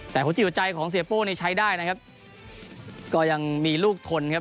แต่หัวจิตหัวใจของเสียโป้นี่ใช้ได้นะครับก็ยังมีลูกทนครับ